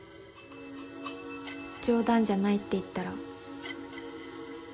冗談じゃないって言ったら？